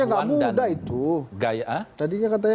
gaya tapi kan dia nggak muda itu tadinya katanya